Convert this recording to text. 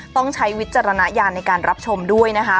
ต้องใช้วิจารณญาณในการรับชมด้วยนะคะ